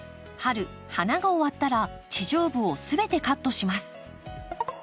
春花が終わったら地上部を全てカットします。